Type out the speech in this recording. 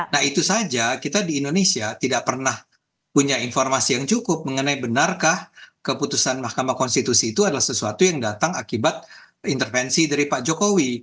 nah itu saja kita di indonesia tidak pernah punya informasi yang cukup mengenai benarkah keputusan mahkamah konstitusi itu adalah sesuatu yang datang akibat intervensi dari pak jokowi